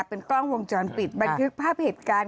เป็นกล้องวงจรปิดบันทึกภาพเหตุการณ์